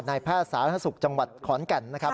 แพทย์สาธารณสุขจังหวัดขอนแก่นนะครับ